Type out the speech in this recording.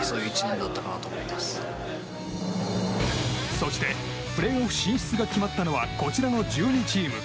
そしてプレーオフ進出が決まったのはこちらの１２チーム。